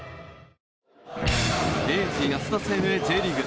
明治安田生命Ｊリーグ。